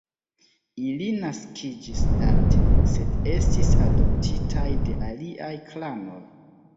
Ili naskiĝis Date, sed estis adoptitaj de aliaj klanoj.